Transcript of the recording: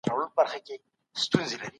خره به هره ورځ